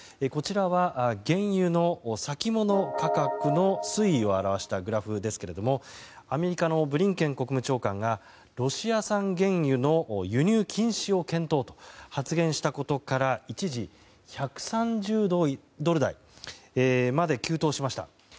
こちらは原油の先物価格の推移を現したグラフですけれどもアメリカのブリンケン国務長官がロシア産原油の輸入禁止を検討と発言したことから一時、１３０ドル台まで急騰しました。